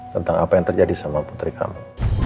tentang apa yang terjadi sama putri kamu